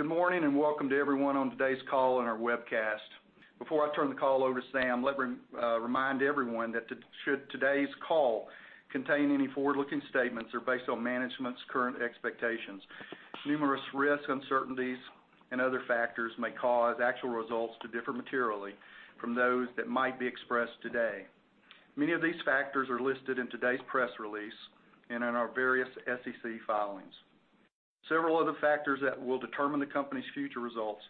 Good morning, welcome to everyone on today's call and our webcast. Before I turn the call over to Sam, let me remind everyone that should today's call contain any forward-looking statements are based on management's current expectations. Numerous risks, uncertainties, and other factors may cause actual results to differ materially from those that might be expressed today. Many of these factors are listed in today's press release and in our various SEC filings. Several other factors that will determine the company's future results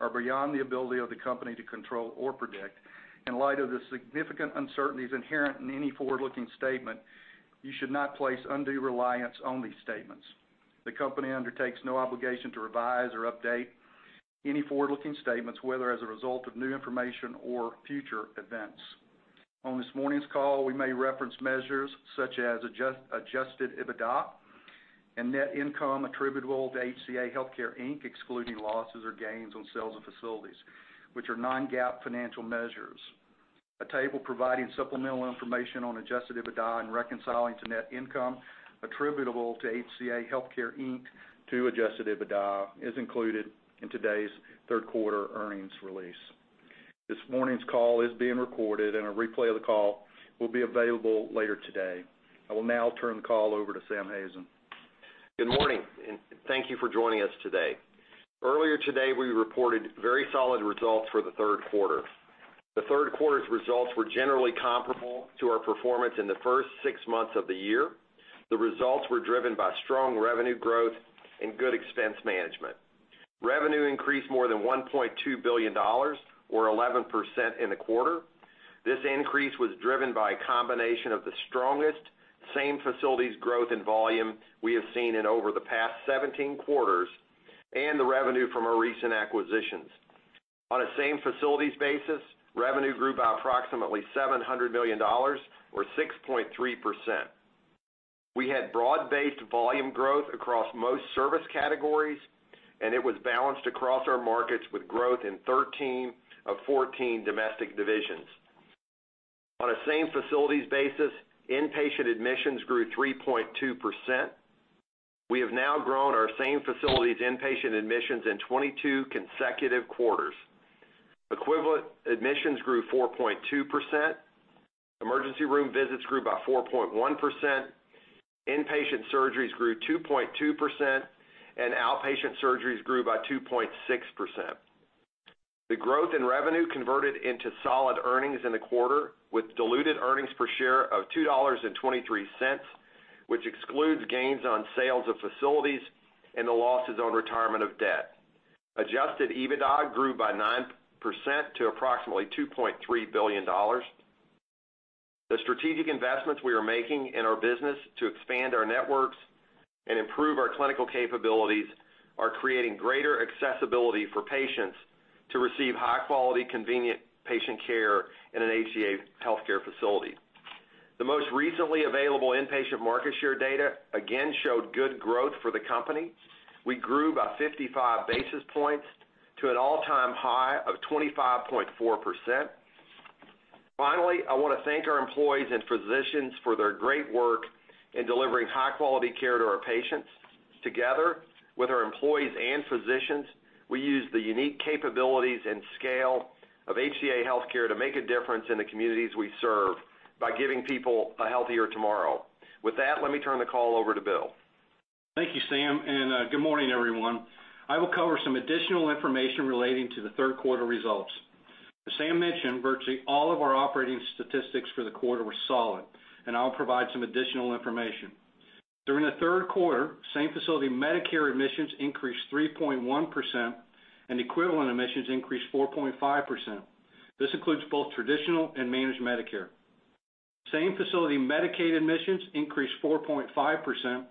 are beyond the ability of the company to control or predict. In light of the significant uncertainties inherent in any forward-looking statement, you should not place undue reliance on these statements. The company undertakes no obligation to revise or update any forward-looking statements, whether as a result of new information or future events. On this morning's call, we may reference measures such as adjusted EBITDA and net income attributable to HCA Healthcare, Inc., excluding losses or gains on sales of facilities, which are non-GAAP financial measures. A table providing supplemental information on adjusted EBITDA and reconciling to net income attributable to HCA Healthcare, Inc., to adjusted EBITDA is included in today's third quarter earnings release. This morning's call is being recorded and a replay of the call will be available later today. I will now turn the call over to Sam Hazen. Good morning, and thank you for joining us today. Earlier today, we reported very solid results for the third quarter. The third quarter's results were generally comparable to our performance in the first six months of the year. The results were driven by strong revenue growth and good expense management. Revenue increased more than $1.2 billion, or 11% in the quarter. This increase was driven by a combination of the strongest same facilities growth and volume we have seen in over the past 17 quarters and the revenue from our recent acquisitions. On a same facilities basis, revenue grew by approximately $700 million, or 6.3%. We had broad-based volume growth across most service categories, and it was balanced across our markets with growth in 13 of 14 domestic divisions. On a same facilities basis, inpatient admissions grew 3.2%. We have now grown our same facilities inpatient admissions in 22 consecutive quarters. Equivalent admissions grew 4.2%. Emergency room visits grew by 4.1%. Inpatient surgeries grew 2.2%, and outpatient surgeries grew by 2.6%. The growth in revenue converted into solid earnings in the quarter, with diluted earnings per share of $2.23, which excludes gains on sales of facilities and the losses on retirement of debt. Adjusted EBITDA grew by 9% to approximately $2.3 billion. The strategic investments we are making in our business to expand our networks and improve our clinical capabilities are creating greater accessibility for patients to receive high-quality, convenient patient care in an HCA Healthcare facility. The most recently available inpatient market share data again showed good growth for the company. We grew by 55 basis points to an all-time high of 25.4%. Finally, I want to thank our employees and physicians for their great work in delivering high-quality care to our patients. Together, with our employees and physicians, we use the unique capabilities and scale of HCA Healthcare to make a difference in the communities we serve by giving people a healthier tomorrow. With that, let me turn the call over to Bill. Thank you, Sam, and good morning, everyone. I will cover some additional information relating to the third quarter results. As Sam mentioned, virtually all of our operating statistics for the quarter were solid, and I'll provide some additional information. During the third quarter, same-facility Medicare admissions increased 3.1%, and equivalent admissions increased 4.5%. This includes both traditional and managed Medicare. Same-facility Medicaid admissions increased 4.5%,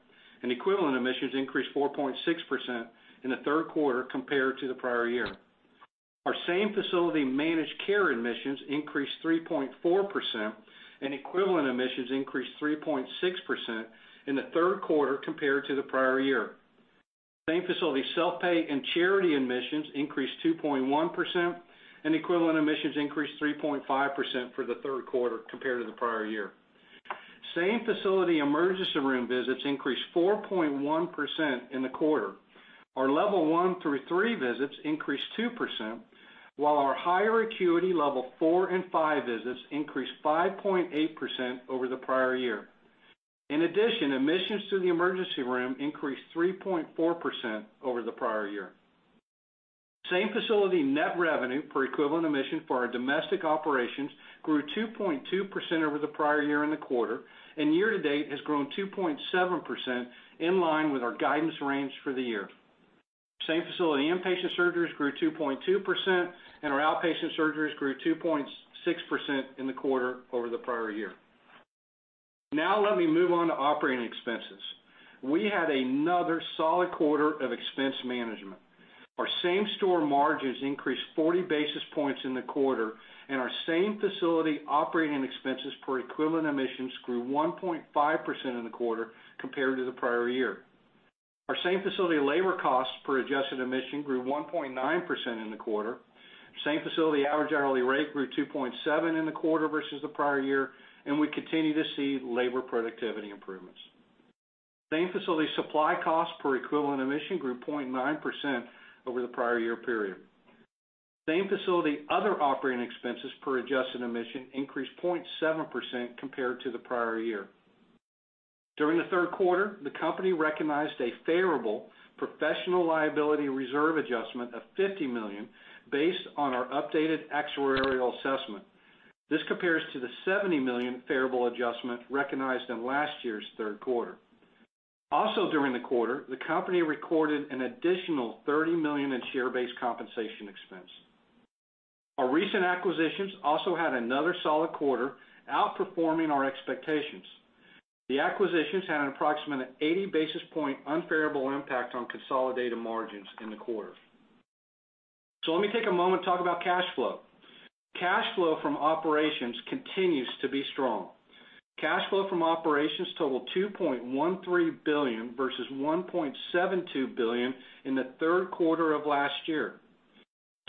and equivalent admissions increased 4.6% in the third quarter compared to the prior year. Our same-facility managed care admissions increased 3.4%, and equivalent admissions increased 3.6% in the third quarter compared to the prior year. Same-facility self-pay and charity admissions increased 2.1%, and equivalent admissions increased 3.5% for the third quarter compared to the prior year. Same-facility emergency room visits increased 4.1% in the quarter. Our Level I through III visits increased 2%, while our higher acuity Level IV and V visits increased 5.8% over the prior year. In addition, admissions to the emergency room increased 3.4% over the prior year. Same-facility net revenue per equivalent admission for our domestic operations grew 2.2% over the prior year in the quarter, and year to date has grown 2.7%, in line with our guidance range for the year. Same-facility inpatient surgeries grew 2.2%, and our outpatient surgeries grew 2.6% in the quarter over the prior year. Let me move on to operating expenses. We had another solid quarter of expense management. Our same store margins increased 40 basis points in the quarter, and our same-facility operating expenses per equivalent admissions grew 1.5% in the quarter compared to the prior year. Our same-facility labor costs per adjusted admission grew 1.9% in the quarter. Same-facility hour generally rate grew 2.7% in the quarter versus the prior year. We continue to see labor productivity improvements. Same-facility supply costs per equivalent admission grew 0.9% over the prior year period. Same-facility other operating expenses per adjusted admission increased 0.7% compared to the prior year. During the third quarter, the company recognized a favorable professional liability reserve adjustment of $50 million based on our updated actuarial assessment. This compares to the $70 million favorable adjustment recognized in last year's third quarter. Also during the quarter, the company recorded an additional $30 million in share-based compensation expense. Our recent acquisitions also had another solid quarter, outperforming our expectations. The acquisitions had an approximate 80-basis point unfavorable impact on consolidated margins in the quarter. Let me take a moment to talk about cash flow. Cash flow from operations continues to be strong. Cash flow from operations totaled $2.13 billion, versus $1.72 billion in the third quarter of last year.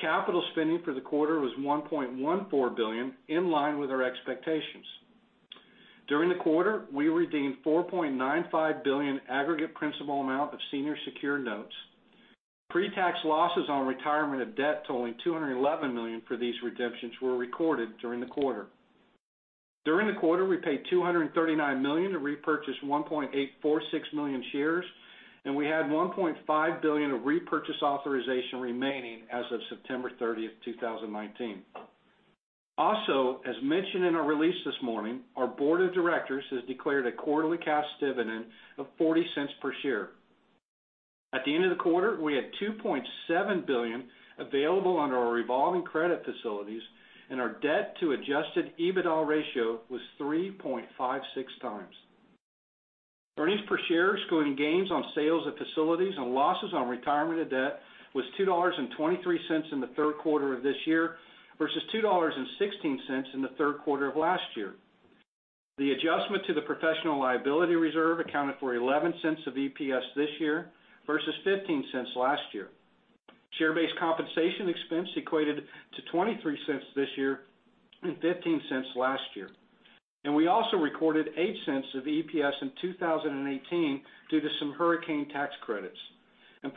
Capital spending for the quarter was $1.14 billion, in line with our expectations. During the quarter, we redeemed $4.95 billion aggregate principal amount of senior secured notes. Pre-tax losses on retirement of debt totaling $211 million for these redemptions were recorded during the quarter. During the quarter, we paid $239 million to repurchase 1.846 million shares, and we had $1.5 billion of repurchase authorization remaining as of September 30, 2019. Also, as mentioned in our release this morning, our board of directors has declared a quarterly cash dividend of $0.40 per share. At the end of the quarter, we had $2.7 billion available under our revolving credit facilities, and our debt to adjusted EBITDA ratio was 3.56 times. Earnings per share excluding gains on sales of facilities and losses on retirement of debt was $2.23 in the third quarter of this year versus $2.16 in the third quarter of last year. The adjustment to the professional liability reserve accounted for $0.11 of EPS this year versus $0.15 last year. Share-based compensation expense equated to $0.23 this year and $0.15 last year. We also recorded $0.08 of EPS in 2018 due to some hurricane tax credits.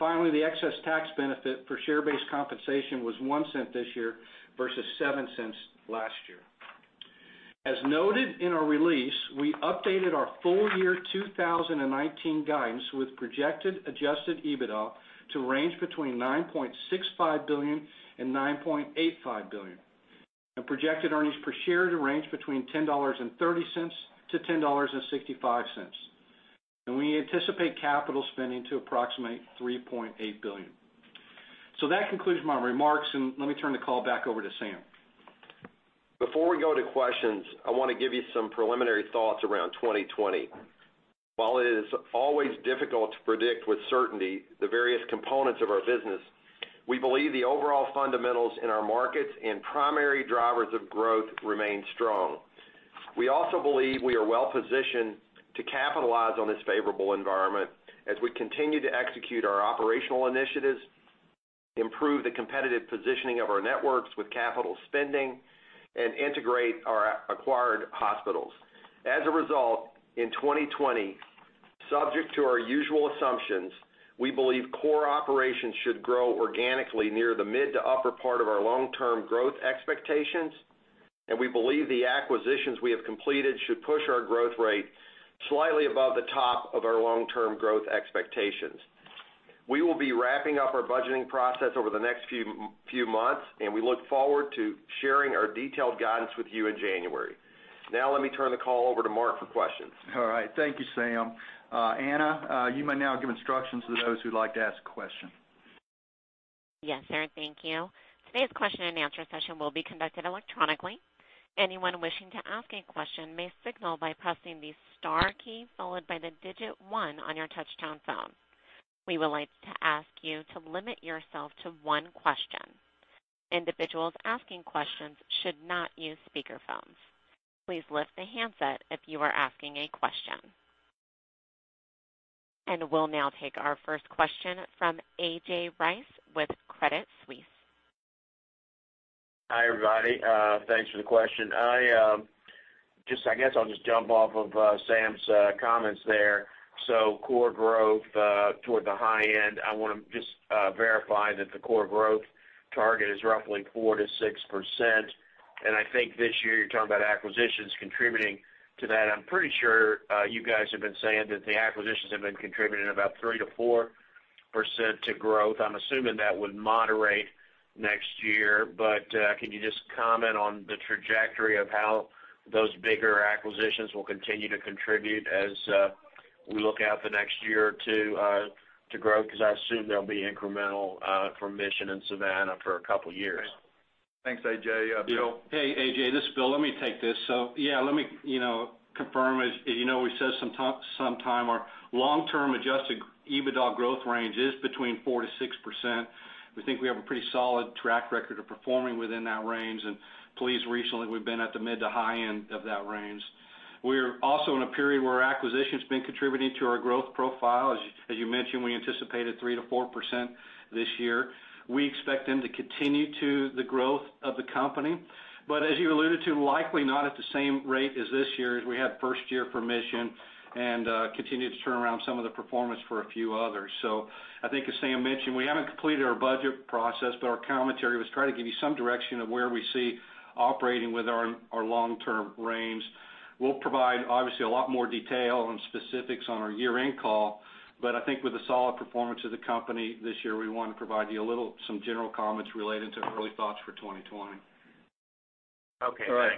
Finally, the excess tax benefit for share-based compensation was $0.01 this year versus $0.07 last year. As noted in our release, we updated our full year 2019 guidance with projected adjusted EBITDA to range between $9.65 billion-$9.85 billion, and projected earnings per share to range between $10.30-$10.65. We anticipate capital spending to approximate $3.8 billion. That concludes my remarks, and let me turn the call back over to Sam. Before we go to questions, I want to give you some preliminary thoughts around 2020. While it is always difficult to predict with certainty the various components of our business, we believe the overall fundamentals in our markets and primary drivers of growth remain strong. We also believe we are well-positioned to capitalize on this favorable environment as we continue to execute our operational initiatives, improve the competitive positioning of our networks with capital spending, and integrate our acquired hospitals. As a result, in 2020, subject to our usual assumptions, we believe core operations should grow organically near the mid to upper part of our long-term growth expectations, and we believe the acquisitions we have completed should push our growth rate slightly above the top of our long-term growth expectations. We will be wrapping up our budgeting process over the next few months, and we look forward to sharing our detailed guidance with you in January. Let me turn the call over to Mark for questions. All right. Thank you, Sam. Anna, you may now give instructions to those who'd like to ask a question. Yes, sir. Thank you. Today's question and answer session will be conducted electronically. Anyone wishing to ask a question may signal by pressing the star key followed by the digit 1 on your touch-tone phone. We would like to ask you to limit yourself to one question. Individuals asking questions should not use speakerphones. Please lift the handset if you are asking a question. We'll now take our first question from A.J. Rice with Credit Suisse. Hi, everybody. Thanks for the question. I guess I'll just jump off of Sam's comments there. Core growth toward the high end. I want to just verify that the core growth target is roughly 4%-6%. I think this year you're talking about acquisitions contributing to that. I'm pretty sure you guys have been saying that the acquisitions have been contributing about 3%-4% to growth. I'm assuming that would moderate next year. Can you just comment on the trajectory of how those bigger acquisitions will continue to contribute as we look out the next year or two to grow? I assume they'll be incremental for Mission and Savannah for a couple of years. Thanks, A.J. Bill? Hey, A.J., this is Bill. Let me take this. Yeah, let me confirm. As you know, we said some time our long-term adjusted EBITDA growth range is between 4%-6%. We think we have a pretty solid track record of performing within that range. Please, recently, we've been at the mid to high end of that range. We're also in a period where acquisition's been contributing to our growth profile. As you mentioned, we anticipated 3%-4% this year. We expect them to continue to the growth of the company, but as you alluded to, likely not at the same rate as this year, as we had first-year performance and continued to turn around some of the performance for a few others. I think as Sam mentioned, we haven't completed our budget process, but our commentary was trying to give you some direction of where we see operating with our long-term range. We'll provide, obviously, a lot more detail on specifics on our year-end call, but I think with the solid performance of the company this year, we want to provide you some general comments related to early thoughts for 2020. Okay, thanks. All right.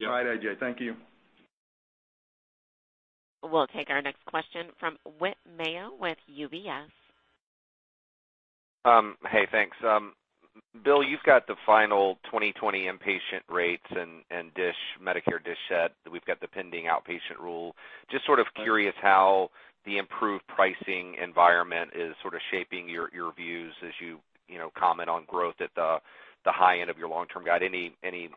Yep. All right, A.J. Thank you. We'll take our next question from Whit Mayo with UBS. Hey, thanks. Bill, you've got the final 2020 inpatient rates and Medicare DSH, we've got the pending outpatient rule. Just sort of curious how the improved pricing environment is sort of shaping your views as you comment on growth at the high end of your long-term guide. Any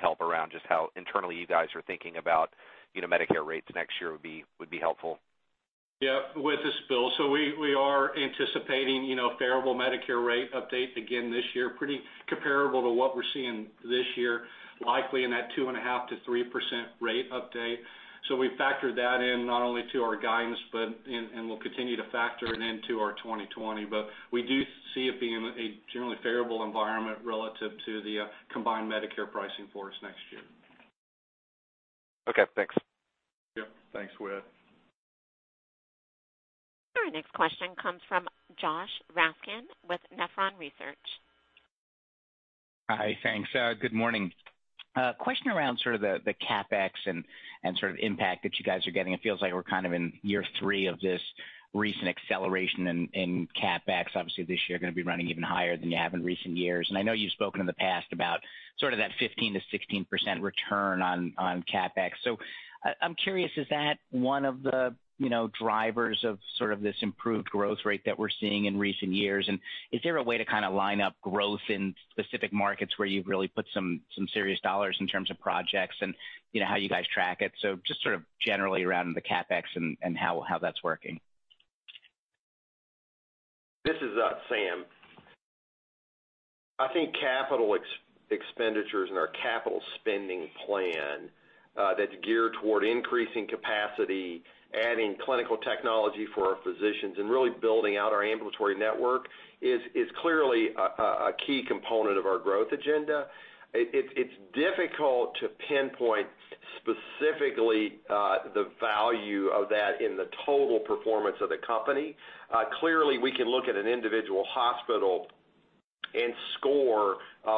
help around just how internally you guys are thinking about Medicare rates next year would be helpful. Yeah. This is Bill. We are anticipating a favorable Medicare rate update again this year, pretty comparable to what we're seeing this year, likely in that 2.5%-3% rate update. We do see it being a generally favorable environment relative to the combined Medicare pricing for us next year. Okay, thanks. Yep. Thanks, Whit. Our next question comes from Joshua Raskin with Nephron Research. Hi, thanks. Good morning. A question around the CapEx and sort of impact that you guys are getting. It feels like we're kind of in year three of this recent acceleration in CapEx. Obviously, this year you're going to be running even higher than you have in recent years. I know you've spoken in the past about sort of that 15%-16% return on CapEx. I'm curious, is that one of the drivers of this improved growth rate that we're seeing in recent years? Is there a way to line up growth in specific markets where you've really put some serious dollars in terms of projects, and how you guys track it? Just sort of generally around the CapEx and how that's working. This is Sam. I think Capital expenditures and our capital spending plan that's geared toward increasing capacity, adding clinical technology for our physicians, and really building out our ambulatory network, is clearly a key component of our growth agenda. It's difficult to pinpoint specifically the value of that in the total performance of the company. Clearly, we can look at an individual hospital and score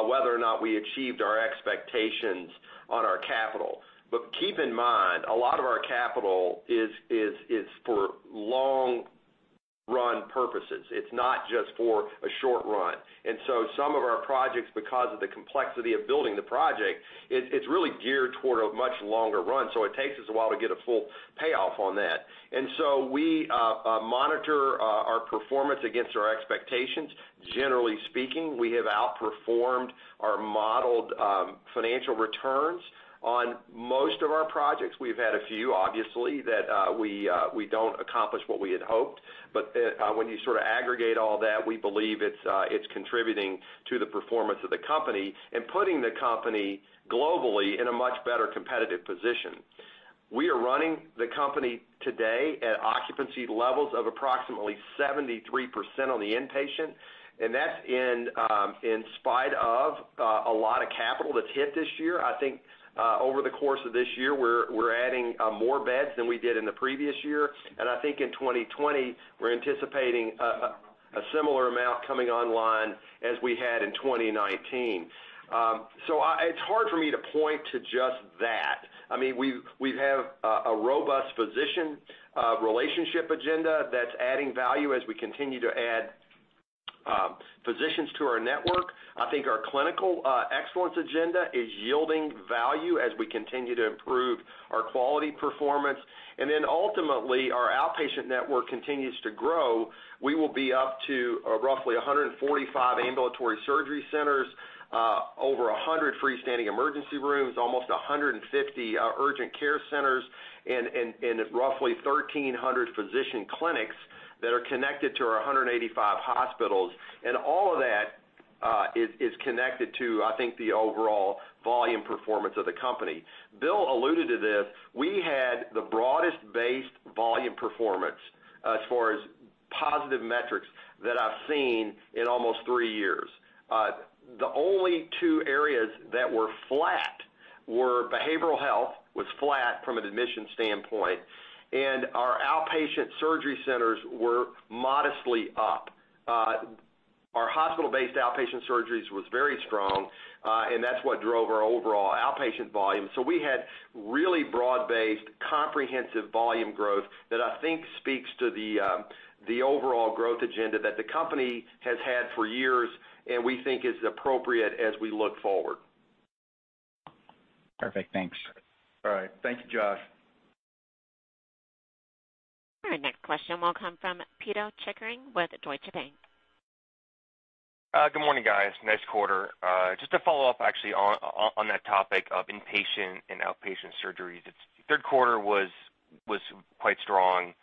whether or not we achieved our expectations on our capital. Keep in mind, a lot of our capital is for long-run purposes. It's not just for a short run. Some of our projects, because of the complexity of building the project, it's really geared toward a much longer run. It takes us a while to get a full payoff on that. We monitor our performance against our expectations. Generally speaking, we have outperformed our modeled financial returns on most of our projects. We've had a few, obviously, that we don't accomplish what we had hoped. When you aggregate all that, we believe it's contributing to the performance of the company and putting the company globally in a much better competitive position. We are running the company today at occupancy levels of approximately 73% on the inpatient, and that's in spite of a lot of capital that's hit this year. I think over the course of this year, we're adding more beds than we did in the previous year. I think in 2020, we're anticipating a similar amount coming online as we had in 2019. It's hard for me to point to just that. We have a robust physician relationship agenda that's adding value as we continue to add physicians to our network. I think our clinical excellence agenda is yielding value as we continue to improve our quality performance. Ultimately, our outpatient network continues to grow. We will be up to roughly 145 ambulatory surgery centers, over 100 freestanding emergency rooms, almost 150 urgent care centers, and roughly 1,300 physician clinics that are connected to our 185 hospitals. All of that is connected to, I think, the overall volume performance of the company. Bill alluded to this. We had the broadest-based volume performance, as far as positive metrics, that I've seen in almost three years. The only two areas that were flat were behavioral health, was flat from an admission standpoint, and our outpatient surgery centers were modestly up. Our hospital-based outpatient surgeries was very strong, and that's what drove our overall outpatient volume. We had really broad-based, comprehensive volume growth that I think speaks to the overall growth agenda that the company has had for years and we think is appropriate as we look forward. Perfect. Thanks. All right. Thank you, Josh. Our next question will come from Pito Chickering with Deutsche Bank. Good morning, guys. Nice quarter. Just to follow up actually on that topic of inpatient and outpatient surgeries. Third quarter was quite strong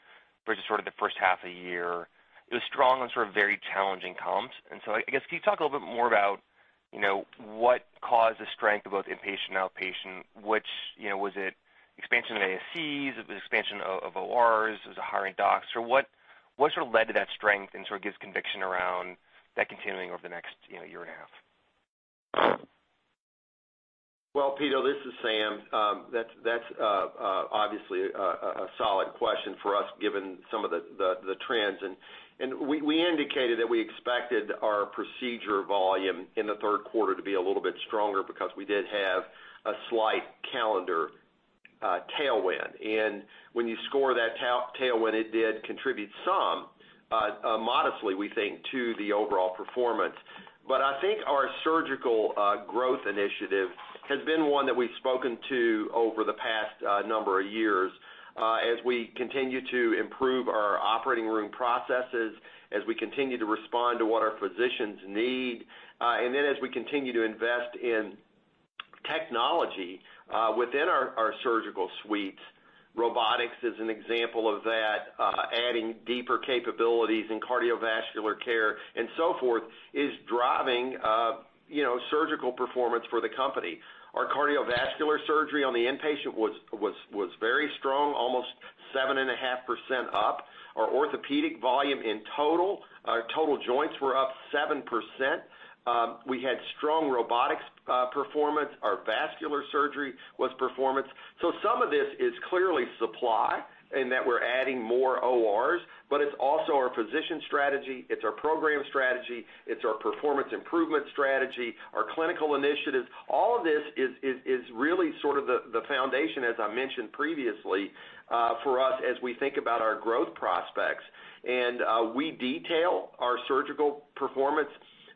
versus the first half of the year. It was strong on very challenging comps. I guess, can you talk a little bit more about what caused the strength of both inpatient and outpatient, which, was it expansion of ASCs, was it expansion of ORs? Was it hiring docs? What led to that strength and gives conviction around that continuing over the next year and a half? Well, Pito, this is Sam. That's obviously a solid question for us given some of the trends. We indicated that we expected our procedure volume in the third quarter to be a little bit stronger because we did have a slight calendar tailwind. I think our Surgical Growth Initiative has been one that we've spoken to over the past number of years as we continue to improve our operating room processes, as we continue to respond to what our physicians need. As we continue to invest in technology within our surgical suites, robotics is an example of that, adding deeper capabilities in cardiovascular care and so forth is driving surgical performance for the company. Our cardiovascular surgery on the inpatient was very strong, almost 7.5% up. Our orthopedic volume in total joints were up 7%. We had strong robotics performance. Our vascular surgery was performance. Some of this is clearly supply in that we're adding more ORs, but it's also our physician strategy, it's our program strategy, it's our performance improvement strategy, our clinical initiatives. All of this is really the foundation, as I mentioned previously, for us as we think about our growth prospects. We detail our surgical performance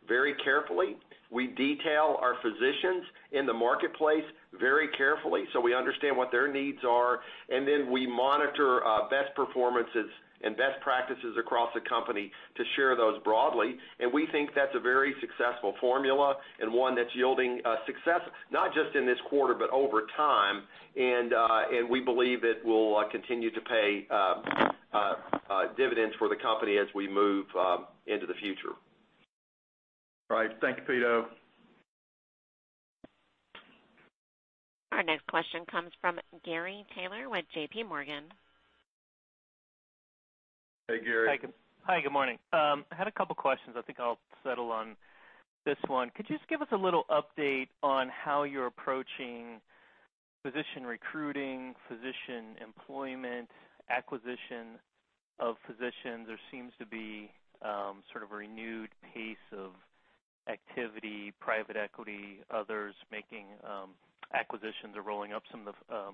very carefully. We detail our physicians in the marketplace very carefully so we understand what their needs are. We monitor best performances and best practices across the company to share those broadly. We think that's a very successful formula and one that's yielding success, not just in this quarter, but over time. We believe it will continue to pay dividends for the company as we move into the future. All right. Thank you, Peter. Our next question comes from Gary Taylor with JP Morgan. Hey, Gary. Hi, good morning. I had a couple questions. I think I'll settle on this one. Could you just give us a little update on how you're approaching physician recruiting, physician employment, acquisition of physicians? There seems to be a renewed pace of activity, private equity, others making acquisitions or rolling up some of the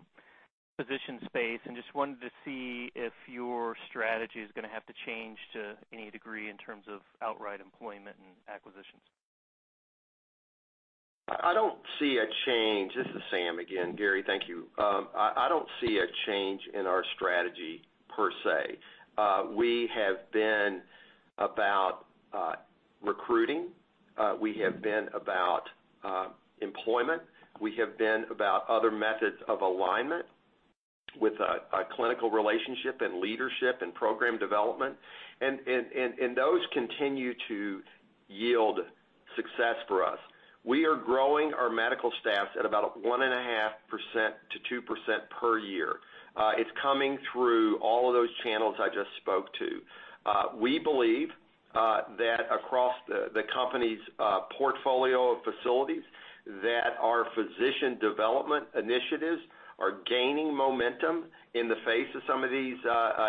physician space, and just wanted to see if your strategy is going to have to change to any degree in terms of outright employment and acquisitions. I don't see a change. This is Sam again, Gary, thank you. I don't see a change in our strategy per se. We have been about recruiting. We have been about employment. We have been about other methods of alignment with a clinical relationship and leadership and program development. Those continue to yield success for us. We are growing our medical staffs at about 1.5% to 2% per year. It's coming through all of those channels I just spoke to. We believe that across the company's portfolio of facilities, that our physician development initiatives are gaining momentum in the face of some of these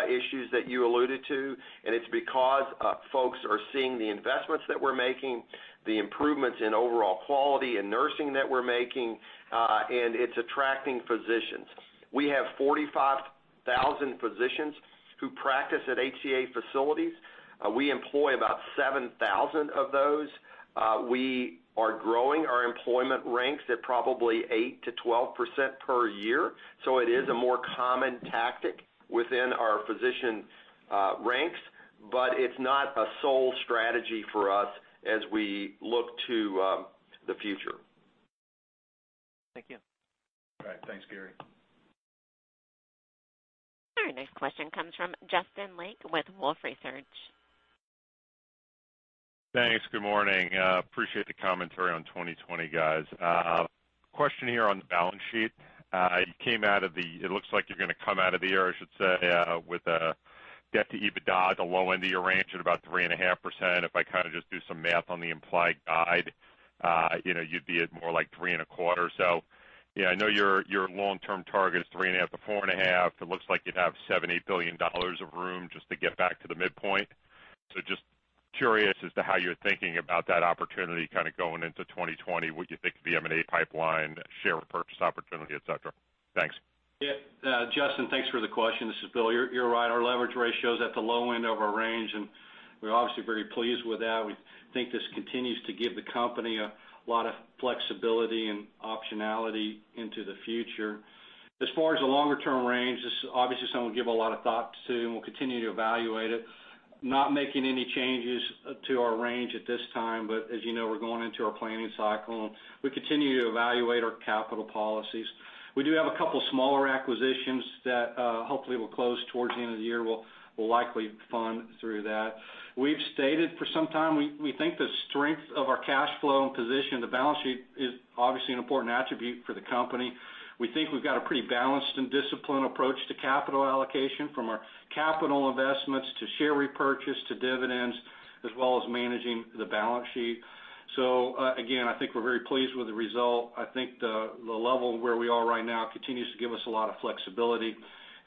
issues that you alluded to. It's because folks are seeing the investments that we're making, the improvements in overall quality in nursing that we're making, and it's attracting physicians. We have 45,000 physicians who practice at HCA facilities. We employ about 7,000 of those. We are growing our employment ranks at probably 8%-12% per year. It is a more common tactic within our physician ranks, but it's not a sole strategy for us as we look to the future. Thank you. All right. Thanks, Gary. Our next question comes from Justin Lake with Wolfe Research. Thanks. Good morning. Appreciate the commentary on 2020, guys. Question here on the balance sheet. It looks like you're going to come out of the year, I should say, with a debt to EBITDA at the low end of your range at about 3.5%. If I just do some math on the implied guide, you'd be at more like 3.25. I know your long-term target is 3.5-4.5. It looks like you'd have $78 billion of room just to get back to the midpoint. Just curious as to how you're thinking about that opportunity going into 2020, what you think the M&A pipeline, share repurchase opportunity, et cetera. Thanks. Yeah. Justin, thanks for the question. This is Bill. You're right. Our leverage ratio is at the low end of our range, and we're obviously very pleased with that. We think this continues to give the company a lot of flexibility and optionality into the future. As far as the longer-term range, this is obviously something we give a lot of thought to, and we'll continue to evaluate it. Not making any changes to our range at this time. As you know, we're going into our planning cycle and we continue to evaluate our capital policies. We do have a couple smaller acquisitions that hopefully will close towards the end of the year. We'll likely fund through that. We've stated for some time, we think the strength of our cash flow and position on the balance sheet is obviously an important attribute for the company. We think we've got a pretty balanced and disciplined approach to capital allocation, from our capital investments to share repurchase to dividends, as well as managing the balance sheet. Again, I think we're very pleased with the result. I think the level where we are right now continues to give us a lot of flexibility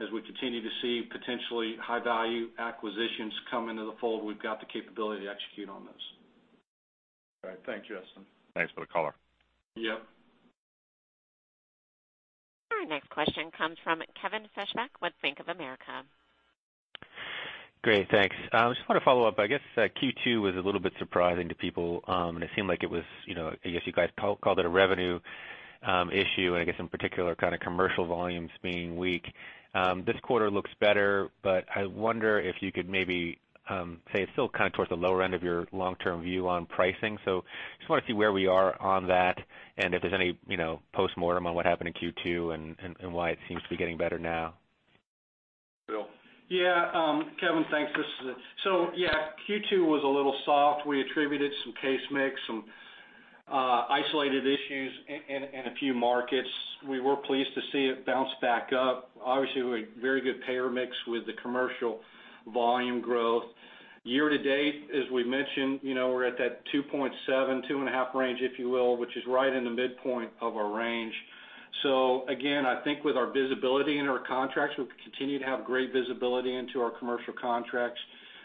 as we continue to see potentially high-value acquisitions come into the fold. We've got the capability to execute on those. All right. Thank you, Justin. Thanks for the color. Yep. Our next question comes from Kevin Fischbeck with Bank of America. Great, thanks. I just want to follow up. I guess Q2 was a little bit surprising to people, and it seemed like it was, I guess you guys called it a revenue issue, and I guess in particular, commercial volumes being weak. This quarter looks better, but I wonder if you could maybe say it's still towards the lower end of your long-term view on pricing. Just want to see where we are on that and if there's any postmortem on what happened in Q2 and why it seems to be getting better now. Bill. Yeah. Kevin, thanks. This is it. Yeah, Q2 was a little soft. We attributed some case mix, some isolated issues in a few markets. We were pleased to see it bounce back up. Obviously, we had very good payer mix with the commercial volume growth. Year to date, as we mentioned, we're at that 2.7, 2.5 range, if you will, which is right in the midpoint of our range. Again, I think with our visibility into our contracts, we continue to have great visibility into our commercial contracts.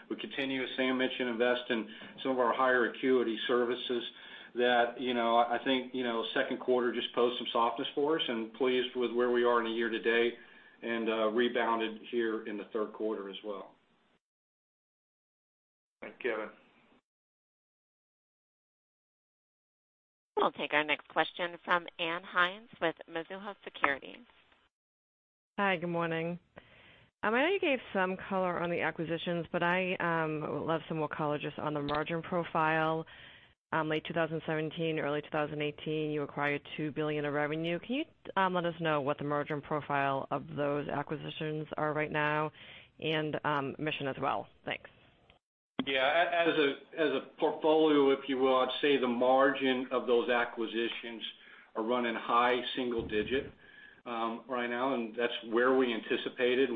We continue, as Sam mentioned, invest in some of our higher acuity services that I think, second quarter just posed some softness for us and pleased with where we are in the year to date and rebounded here in the third quarter as well. Thanks, Kevin. We'll take our next question from Ann Hynes with Mizuho Securities. Hi, good morning. I know you gave some color on the acquisitions, but I would love some more color just on the margin profile. Late 2017, early 2018, you acquired $2 billion of revenue. Can you let us know what the margin profile of those acquisitions are right now, and Mission as well? Thanks. Yeah. As a portfolio, if you will, I'd say the margin of those acquisitions are running high single-digit right now. That's where we anticipated.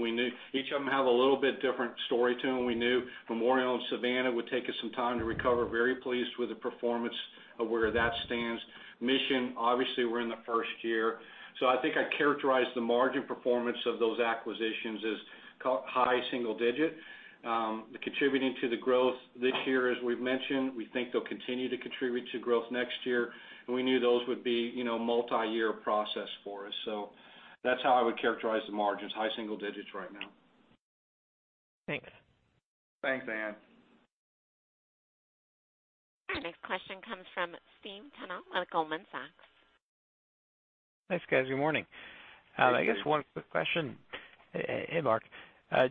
Each of them have a little bit different story to them. We knew Memorial in Savannah would take us some time to recover. Very pleased with the performance of where that stands. Mission, obviously we're in the first year. I think I'd characterize the margin performance of those acquisitions as high single-digit. They're contributing to the growth this year, as we've mentioned. We think they'll continue to contribute to growth next year. We knew those would be multi-year process for us. That's how I would characterize the margins, high single-digits right now. Thanks. Thanks, Ann. Our next question comes from Stephen Tanal with Goldman Sachs. Thanks, guys. Good morning. Thanks, Steve. I guess one quick question. Hey, Mark.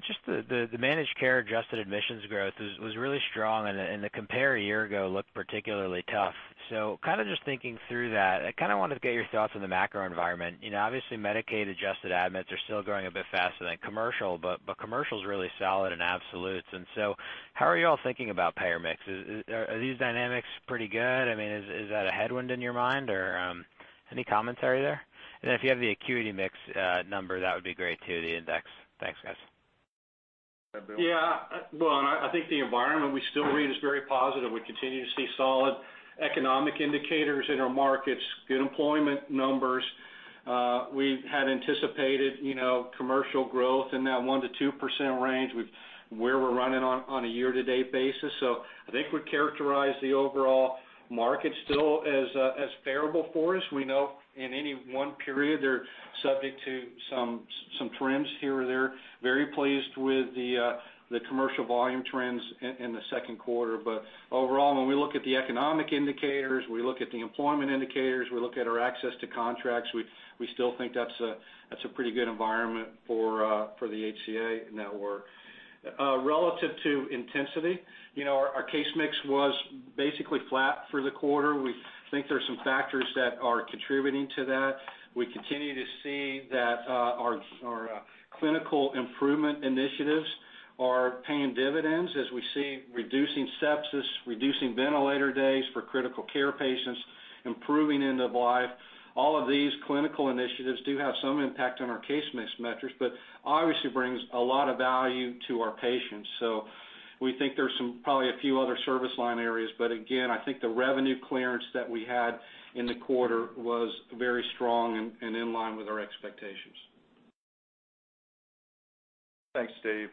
Just the managed care adjusted admissions growth was really strong, and the compare a year ago looked particularly tough. Just thinking through that, I wanted to get your thoughts on the macro environment. Obviously Medicaid adjusted admits are still growing a bit faster than commercial, but commercial's really solid in absolutes, how are you all thinking about payer mix? Are these dynamics pretty good? Is that a headwind in your mind? Any commentary there? If you have the acuity mix number, that would be great too, the index. Thanks, guys. Yeah, Bill, I think the environment we still read is very positive. We continue to see solid economic indicators in our markets, good employment numbers. We had anticipated commercial growth in that 1%-2% range, where we're running on a year-to-date basis. I think we'd characterize the overall market still as favorable for us. We know in any one period, they're subject to some trends here or there. Very pleased with the commercial volume trends in the second quarter. Overall, when we look at the economic indicators, we look at the employment indicators, we look at our access to contracts, we still think that's a pretty good environment for the HCA network. Relative to intensity, our case mix was basically flat for the quarter. We think there are some factors that are contributing to that. We continue to see that our clinical improvement initiatives are paying dividends as we see reducing sepsis, reducing ventilator days for critical care patients, improving end of life. All of these clinical initiatives do have some impact on our case mix metrics, but obviously brings a lot of value to our patients. We think there's probably a few other service line areas. Again, I think the revenue clearance that we had in the quarter was very strong and in line with our expectations. Thanks, Steve.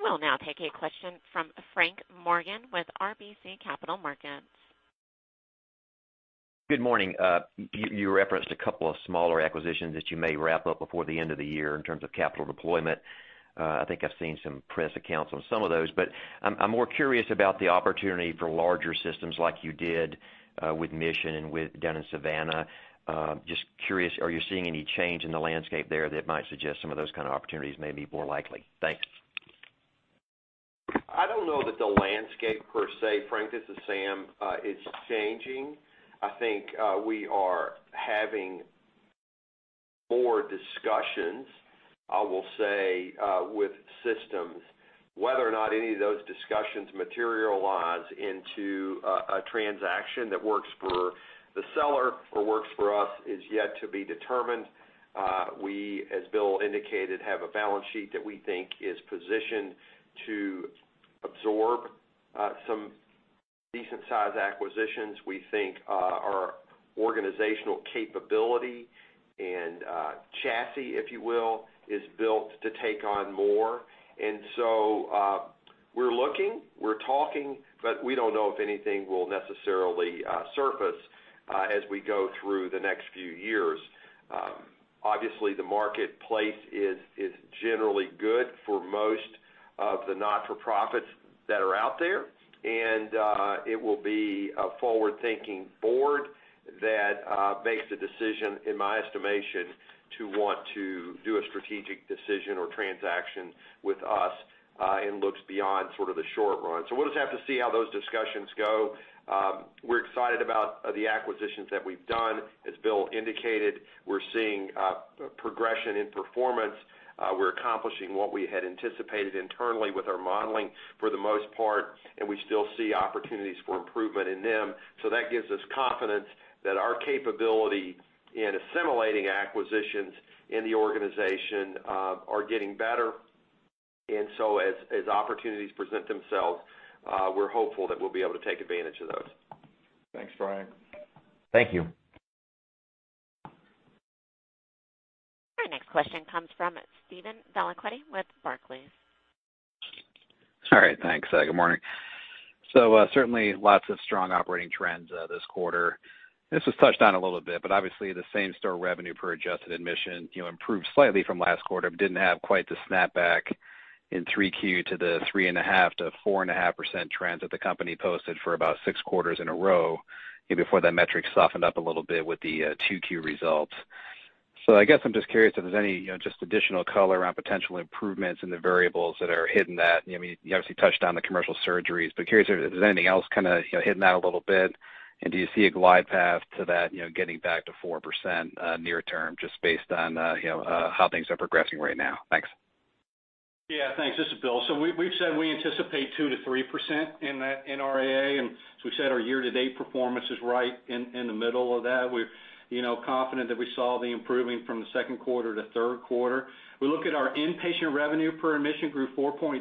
We'll now take a question from Frank Morgan with RBC Capital Markets. Good morning. You referenced a couple of smaller acquisitions that you may wrap up before the end of the year in terms of capital deployment. I think I've seen some press accounts on some of those, but I'm more curious about the opportunity for larger systems like you did with Mission and down in Savannah. Just curious, are you seeing any change in the landscape there that might suggest some of those kind of opportunities may be more likely? Thanks. I don't know that the landscape per se, Frank, this is Sam, is changing. I think we are having more discussions, I will say, with systems. Whether or not any of those discussions materialize into a transaction that works for the seller or works for us is yet to be determined. We, as Bill indicated, have a balance sheet that we think is positioned to absorb some decent-sized acquisitions. We think our organizational capability and chassis, if you will, is built to take on more. We're looking, we're talking, but we don't know if anything will necessarily surface as we go through the next few years. Obviously, the marketplace is generally good for most of the not-for-profits that are out there. It will be a forward-thinking board that makes the decision, in my estimation, to want to do a strategic decision or transaction with us and looks beyond the short run. We'll just have to see how those discussions go. We're excited about the acquisitions that we've done. As Bill indicated, we're seeing progression in performance. We're accomplishing what we had anticipated internally with our modeling for the most part, and we still see opportunities for improvement in them. That gives us confidence that our capability in assimilating acquisitions in the organization are getting better. As opportunities present themselves, we're hopeful that we'll be able to take advantage of those. Thanks, Frank. Thank you. Our next question comes from Stephen Baxter with Barclays. All right, thanks. Good morning. Certainly lots of strong operating trends this quarter. This was touched on a little bit, but obviously the same-store revenue per adjusted admission improved slightly from last quarter, but didn't have quite the snapback in three Q to the 3.5%-4.5% trends that the company posted for about six quarters in a row before that metric softened up a little bit with the two Q results. I guess I'm just curious if there's any just additional color around potential improvements in the variables that are hidden. You obviously touched on the commercial surgeries, but curious if there's anything else hidden out a little bit, and do you see a glide path to that getting back to 4% near term, just based on how things are progressing right now? Thanks. Yeah, thanks. This is Bill. We've said we anticipate 2%-3% in that NRAA, and as we said, our year-to-date performance is right in the middle of that. We're confident that we saw the improving from the second quarter to third quarter. We look at our inpatient revenue per admission grew 4.2%,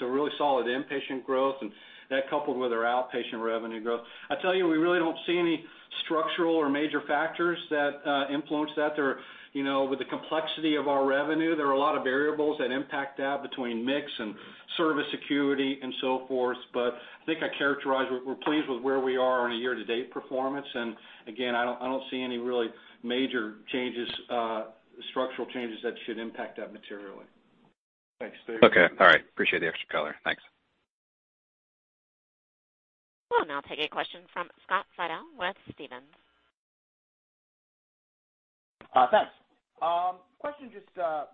so really solid inpatient growth, and that coupled with our outpatient revenue growth. I tell you, we really don't see any structural or major factors that influence that. With the complexity of our revenue, there are a lot of variables that impact that between mix and service acuity and so forth. I think I characterize we're pleased with where we are on a year-to-date performance. Again, I don't see any really major structural changes that should impact that materially. Thanks. Okay. All right. Appreciate the extra color. Thanks. We'll now take a question from Scott Fidel with Stephens. Thanks. Question, just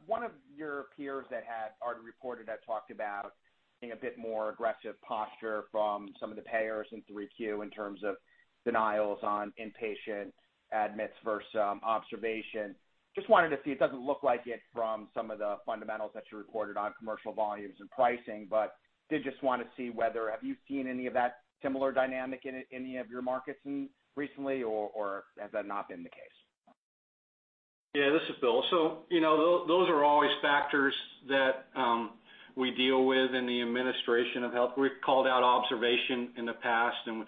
one of your peers that had already reported had talked about being a bit more aggressive posture from some of the payers in 3Q in terms of denials on inpatient admits versus observation. Just wanted to see, it doesn't look like it from some of the fundamentals that you reported on commercial volumes and pricing, but did just want to see whether have you seen any of that similar dynamic in any of your markets recently, or has that not been the case? This is Bill. Those are always factors that we deal with in the administration of health. We've called out observation in the past, and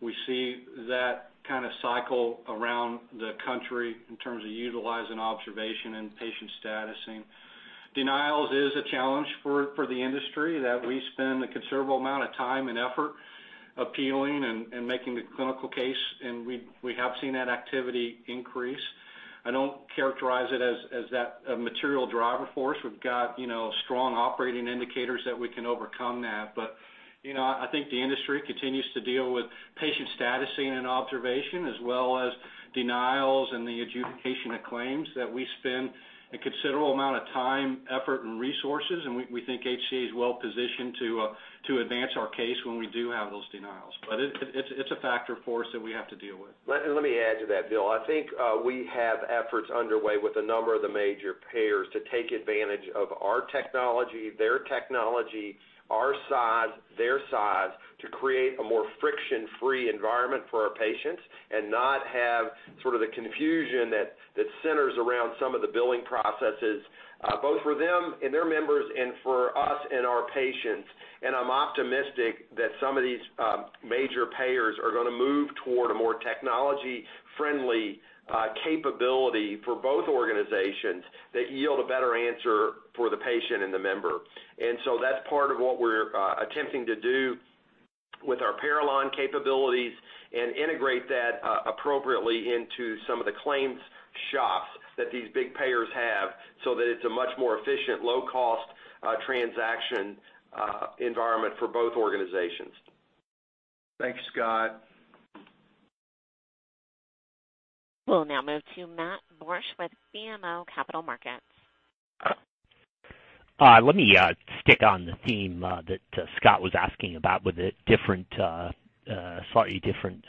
we see that kind of cycle around the country in terms of utilizing observation and patient statusing. Denials is a challenge for the industry that we spend a considerable amount of time and effort appealing and making the clinical case, and we have seen that activity increase. I don't characterize it as that material driver force. We've got strong operating indicators that we can overcome that. I think the industry continues to deal with patient statusing and observation as well as denials and the adjudication of claims that we spend a considerable amount of time, effort, and resources. We think HCA is well positioned to advance our case when we do have those denials. It's a factor for us that we have to deal with. Let me add to that, Bill. I think we have efforts underway with a number of the major payers to take advantage of our technology, their technology, our size, their size, to create a more friction-free environment for our patients and not have the confusion that centers around some of the billing processes, both for them and their members and for us and our patients. I'm optimistic that some of these major payers are going to move toward a more technology-friendly capability for both organizations that yield a better answer for the patient and the member. That's part of what we're attempting to do with our Parallon capabilities and integrate that appropriately into some of the claims shops that these big payers have so that it's a much more efficient, low-cost transaction environment for both organizations. Thanks, Scott. We'll now move to Matt Borsch with BMO Capital Markets. Let me stick on the theme that Scott was asking about with a slightly different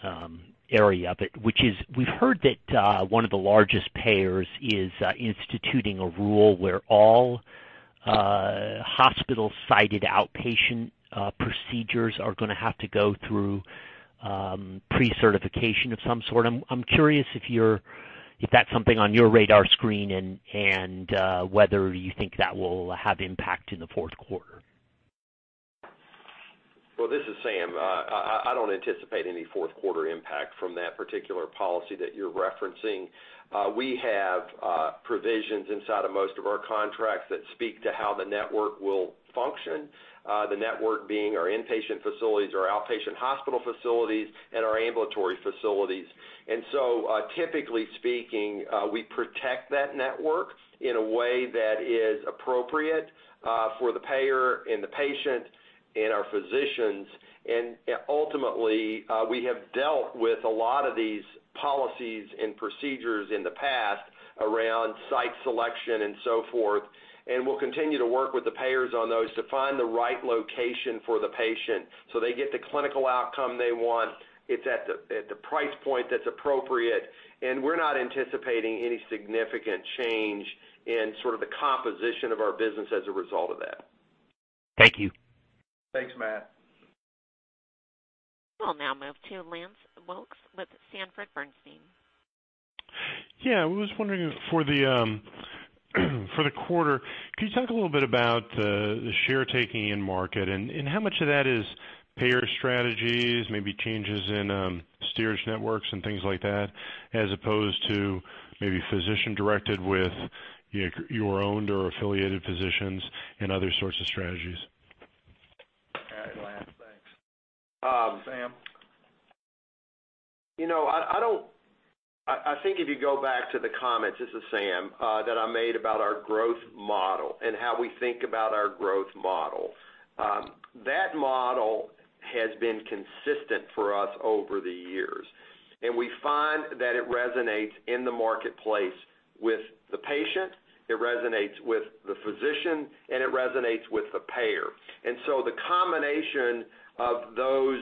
area of it, which is, we've heard that one of the largest payers is instituting a rule where all hospital-sided outpatient procedures are going to have to go through pre-certification of some sort. I'm curious if that's something on your radar screen and whether you think that will have impact in the fourth quarter. Well, this is Sam. I don't anticipate any fourth quarter impact from that particular policy that you're referencing. We have provisions inside of most of our contracts that speak to how the network will function. The network being our inpatient facilities, our outpatient hospital facilities, and our ambulatory facilities. Typically speaking, we protect that network in a way that is appropriate for the payer and the patient and our physicians. Ultimately, we have dealt with a lot of these policies and procedures in the past around site selection and so forth, and we'll continue to work with the payers on those to find the right location for the patient, so they get the clinical outcome they want. It's at the price point that's appropriate, and we're not anticipating any significant change in sort of the composition of our business as a result of that. Thank you. Thanks, Matt. We'll now move to Lance Wilkes with Sanford Bernstein. Yeah. I was wondering for the quarter, can you talk a little bit about the share taking in market, and how much of that is payer strategies, maybe changes in steerage networks and things like that, as opposed to maybe physician-directed with your owned or affiliated physicians and other sorts of strategies? All right, Lance, thanks. Sam? I think if you go back to the comments, this is Sam, that I made about our growth model and how we think about our growth model. That model has been consistent for us over the years, and we find that it resonates in the marketplace with the patient, it resonates with the physician, and it resonates with the payer. The combination of those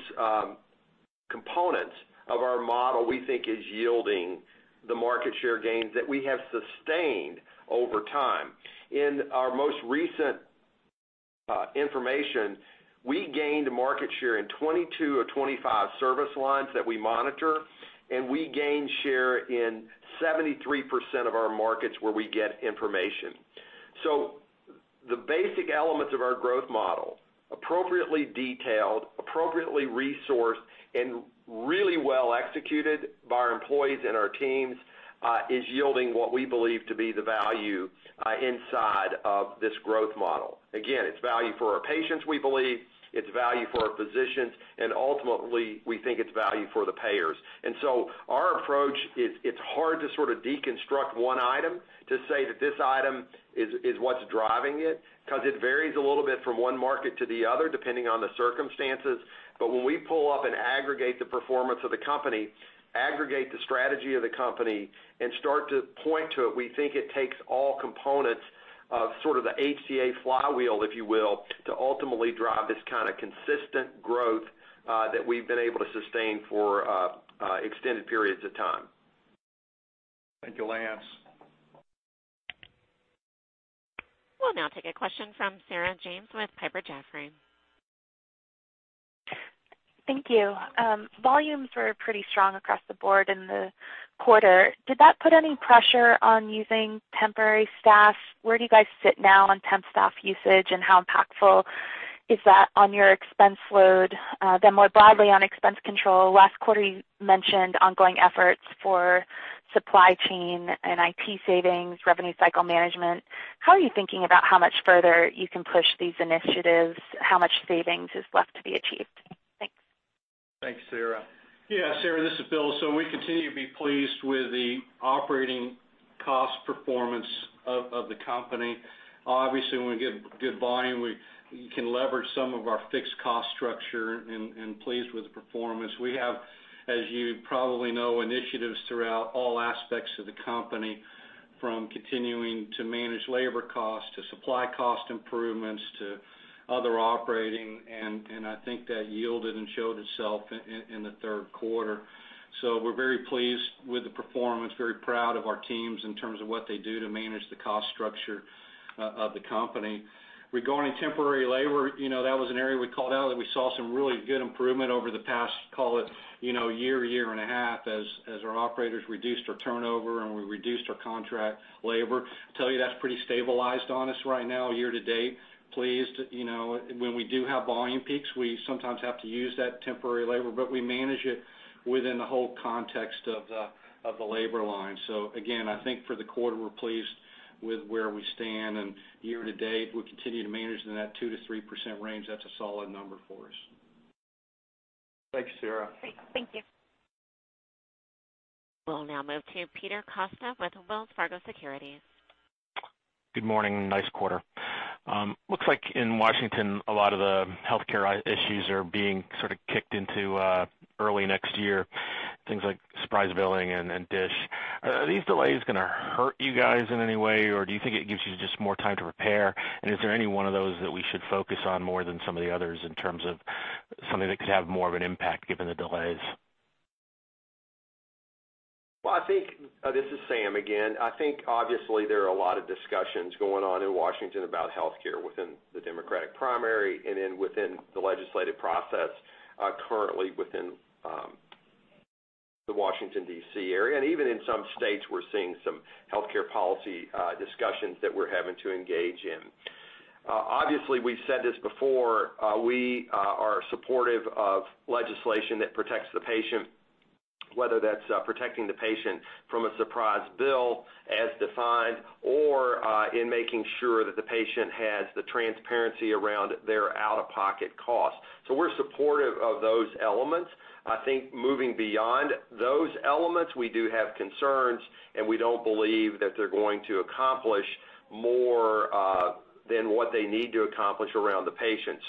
components of our model, we think is yielding the market share gains that we have sustained over time. In our most recent information, we gained market share in 22 of 25 service lines that we monitor, and we gained share in 73% of our markets where we get information. The basic elements of our growth model, appropriately detailed, appropriately resourced, and really well executed by our employees and our teams, is yielding what we believe to be the value inside of this growth model. Again, it's value for our patients, we believe, it's value for our physicians, and ultimately, we think it's value for the payers. Our approach, it's hard to sort of deconstruct one item to say that this item is what's driving it, because it varies a little bit from one market to the other, depending on the circumstances. When we pull up and aggregate the performance of the company, aggregate the strategy of the company and start to point to it, we think it takes all components of sort of the HCA flywheel, if you will, to ultimately drive this kind of consistent growth that we've been able to sustain for extended periods of time. Thank you, Lance. We'll now take a question from Sarah James with Piper Jaffray. Thank you. Volumes were pretty strong across the board in the quarter. Did that put any pressure on using temporary staff? Where do you guys sit now on temp staff usage, and how impactful is that on your expense load? More broadly on expense control, last quarter you mentioned ongoing efforts for supply chain and IT savings, revenue cycle management. How are you thinking about how much further you can push these initiatives? How much savings is left to be achieved? Thanks. Thanks, Sarah. Yeah, Sarah, this is Bill. We continue to be pleased with the operating cost performance of the company. Obviously, when we get good volume, we can leverage some of our fixed cost structure and pleased with the performance. We have, as you probably know, initiatives throughout all aspects of the company. From continuing to manage labor cost to supply cost improvements to other operating, and I think that yielded and showed itself in the third quarter. We're very pleased with the performance, very proud of our teams in terms of what they do to manage the cost structure of the company. Regarding temporary labor, that was an area we called out that we saw some really good improvement over the past, call it, year and a half, as our operators reduced our turnover and we reduced our contract labor. I tell you, that's pretty stabilized on us right now year to date. Pleased. When we do have volume peaks, we sometimes have to use that temporary labor, but we manage it within the whole context of the labor line. Again, I think for the quarter, we're pleased with where we stand. Year to date, we continue to manage in that 2%-3% range. That's a solid number for us. Thanks, Sarah. Great. Thank you. We'll now move to Peter Costa with Wells Fargo Securities. Good morning. Nice quarter. Looks like in Washington, a lot of the healthcare issues are being sort of kicked into early next year, things like surprise billing and DSH. Are these delays going to hurt you guys in any way, or do you think it gives you just more time to prepare? Is there any one of those that we should focus on more than some of the others in terms of something that could have more of an impact given the delays? Well, this is Sam again. I think obviously there are a lot of discussions going on in Washington about healthcare within the Democratic primary and then within the legislative process, currently within the Washington, D.C., area. Even in some states, we're seeing some healthcare policy discussions that we're having to engage in. Obviously, we've said this before, we are supportive of legislation that protects the patient, whether that's protecting the patient from a surprise bill as defined or in making sure that the patient has the transparency around their out-of-pocket costs. We're supportive of those elements. I think moving beyond those elements, we do have concerns, and we don't believe that they're going to accomplish more than what they need to accomplish around the patient.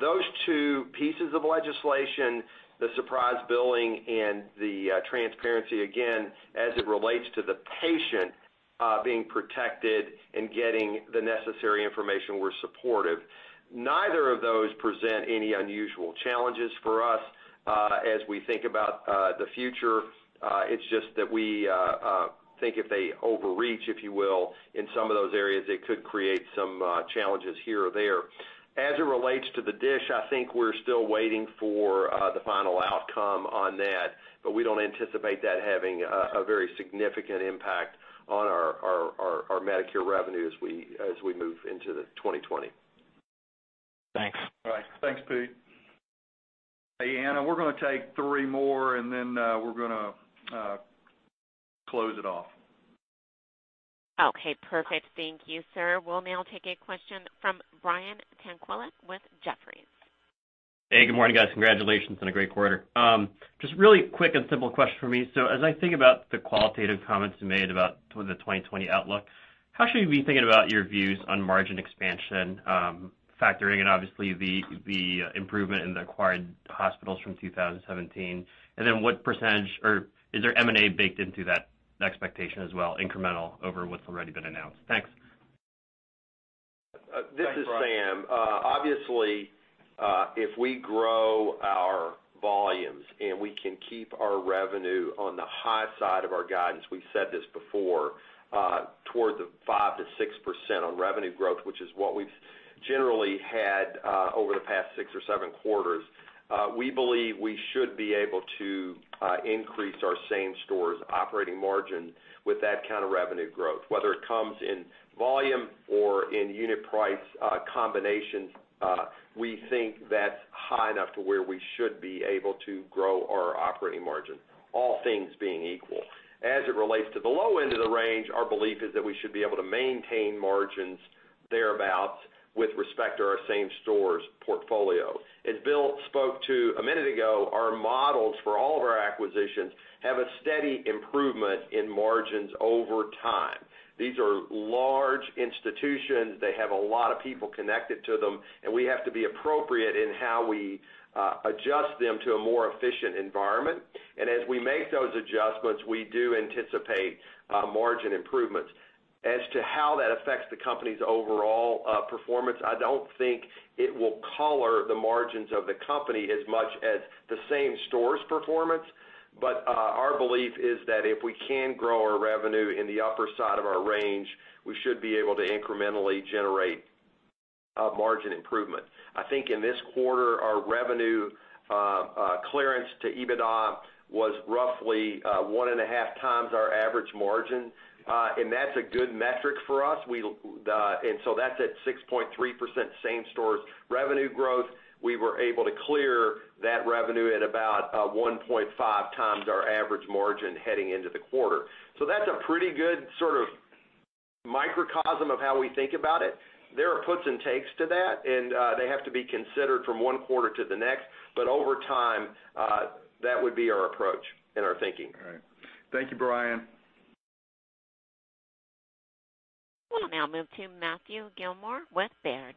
Those two pieces of legislation, the surprise billing and the transparency, again, as it relates to the patient being protected and getting the necessary information, we're supportive. Neither of those present any unusual challenges for us as we think about the future. It's just that we think if they overreach, if you will, in some of those areas, it could create some challenges here or there. As it relates to the DSH, I think we're still waiting for the final outcome on that, but we don't anticipate that having a very significant impact on our Medicare revenue as we move into 2020. Thanks. All right. Thanks, Pete. Hey, Anna, we're going to take three more, and then we're going to close it off. Okay, perfect. Thank you, sir. We'll now take a question from Brian Tanquilut with Jefferies. Hey, good morning, guys. Congratulations on a great quarter. Just really quick and simple question from me. As I think about the qualitative comments you made about the 2020 outlook, how should we be thinking about your views on margin expansion, factoring in obviously the improvement in the acquired hospitals from 2017? What % or is there M&A baked into that expectation as well, incremental over what's already been announced? Thanks. This is Sam. Obviously, if we grow our volumes and we can keep our revenue on the high side of our guidance, we've said this before, toward the 5%-6% on revenue growth, which is what we've generally had over the past six or seven quarters, we believe we should be able to increase our same stores operating margin with that kind of revenue growth. Whether it comes in volume or in unit price combinations, we think that's high enough to where we should be able to grow our operating margin, all things being equal. As it relates to the low end of the range, our belief is that we should be able to maintain margins thereabout with respect to our same stores portfolio. As Bill spoke to a minute ago, our models for all of our acquisitions have a steady improvement in margins over time. These are large institutions. They have a lot of people connected to them, and we have to be appropriate in how we adjust them to a more efficient environment. As we make those adjustments, we do anticipate margin improvements. As to how that affects the company's overall performance, I don't think it will color the margins of the company as much as the same stores performance. Our belief is that if we can grow our revenue in the upper side of our range, we should be able to incrementally generate a margin improvement. I think in this quarter, our revenue clearance to EBITDA was roughly one and a half times our average margin. That's a good metric for us. That's at 6.3% same stores revenue growth. We were able to clear that revenue at about 1.5 times our average margin heading into the quarter. That's a pretty good sort of microcosm of how we think about it. There are puts and takes to that, and they have to be considered from one quarter to the next. Over time, that would be our approach and our thinking. All right. Thank you, Brian. We'll now move to Matthew Gilmore with Baird.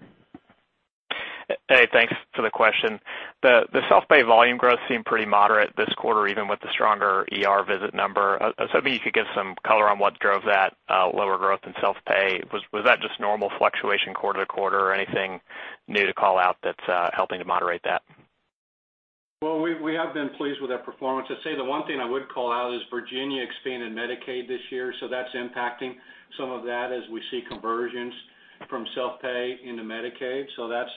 Hey, thanks for the question. The self-pay volume growth seemed pretty moderate this quarter, even with the stronger ER visit number. I was hoping you could give some color on what drove that lower growth in self-pay. Was that just normal fluctuation quarter to quarter or anything new to call out that's helping to moderate that? We have been pleased with that performance. I'd say the one thing I would call out is Virginia expanded Medicaid this year. That's impacting some of that as we see conversions from self-pay into Medicaid.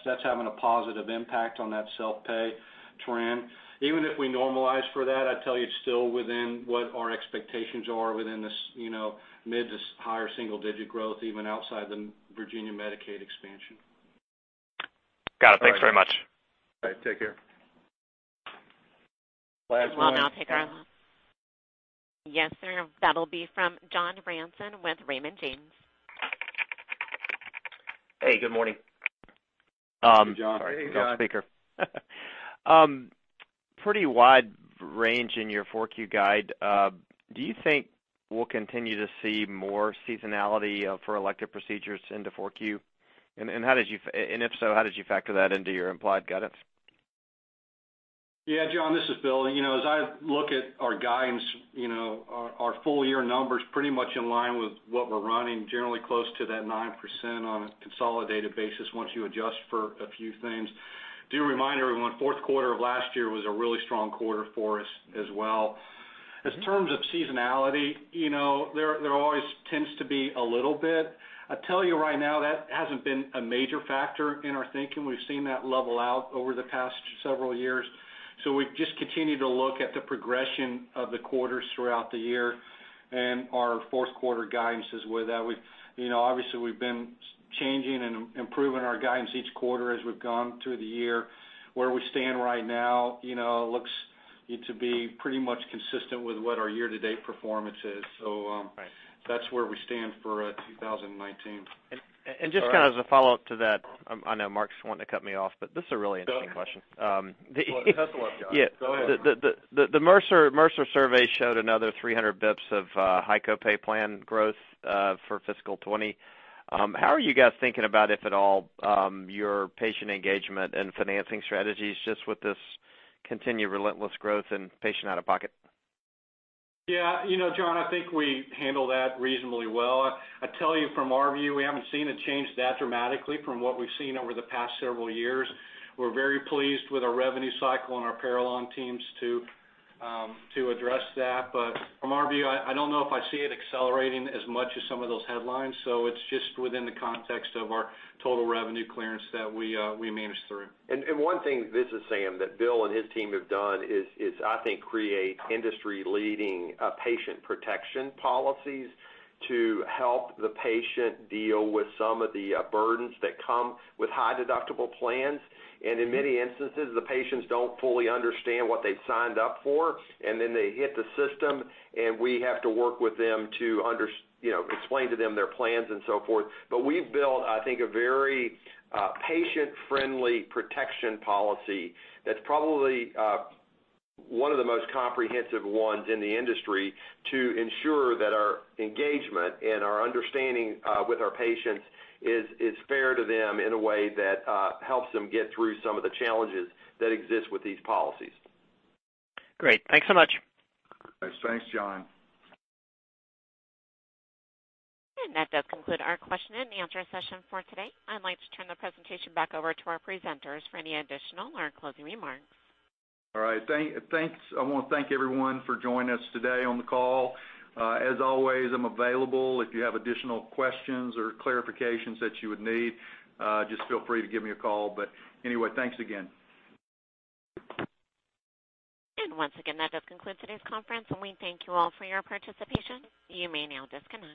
That's having a positive impact on that self-pay trend. Even if we normalize for that, I'd tell you it's still within what our expectations are within this mid to higher single-digit growth, even outside the Virginia Medicaid Expansion. Got it. Thanks very much. All right, take care. Last one. We'll now take our last. Yes, sir, that'll be from John Ransom with Raymond James. Hey, good morning. Hey, John. Hey, John. Sorry, wrong speaker. Pretty wide range in your 4Q guide. Do you think we'll continue to see more seasonality for elective procedures into 4Q? If so, how did you factor that into your implied guidance? Yeah, John, this is Bill. As I look at our guidance, our full year number's pretty much in line with what we're running, generally close to that 9% on a consolidated basis once you adjust for a few things. Do remind everyone, fourth quarter of last year was a really strong quarter for us as well. As terms of seasonality, there always tends to be a little bit. I tell you right now, that hasn't been a major factor in our thinking. We've seen that level out over the past several years. We just continue to look at the progression of the quarters throughout the year, and our fourth quarter guidance is with that. Obviously, we've been changing and improving our guidance each quarter as we've gone through the year. Where we stand right now, it looks to be pretty much consistent with what our year-to-date performance is. So- Right That's where we stand for 2019. Just kind of as a follow-up to that, I know Mark's wanting to cut me off. This is a really interesting question. Go ahead. Well, it has to up, John. Go ahead. The Mercer survey showed another 300 bips of high copay plan growth for fiscal 2020. How are you guys thinking about, if at all, your patient engagement and financing strategies, just with this continued relentless growth in patient out-of-pocket? John, I think we handle that reasonably well. I tell you from our view, we haven't seen it change that dramatically from what we've seen over the past several years. We're very pleased with our revenue cycle and our Parallon teams to address that. From our view, I don't know if I see it accelerating as much as some of those headlines. It's just within the context of our total revenue clearance that we manage through. One thing, this is Sam, that Bill and his team have done is, I think, create industry-leading patient protection policies to help the patient deal with some of the burdens that come with high deductible plans. In many instances, the patients don't fully understand what they've signed up for, and then they hit the system, and we have to work with them to explain to them their plans and so forth. We've built, I think, a very patient-friendly protection policy that's probably one of the most comprehensive ones in the industry to ensure that our engagement and our understanding with our patients is fair to them in a way that helps them get through some of the challenges that exist with these policies. Great. Thanks so much. Thanks, John. That does conclude our question and answer session for today. I'd like to turn the presentation back over to our presenters for any additional or closing remarks. All right. I want to thank everyone for joining us today on the call. As always, I'm available if you have additional questions or clarifications that you would need. Just feel free to give me a call. Anyway, thanks again. Once again, that does conclude today's conference, and we thank you all for your participation. You may now disconnect.